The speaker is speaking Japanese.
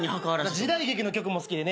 時代劇の曲も好きでね